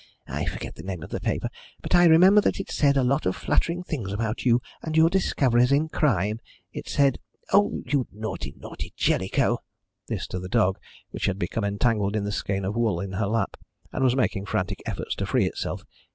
I forget the name of the paper, but I remember that it said a lot of flattering things about you and your discoveries in crime. It said Oh, you naughty, naughty Jellicoe." This to the dog, which had become entangled in the skein of wool on her lap, and was making frantic efforts to free itself.